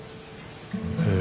へえ。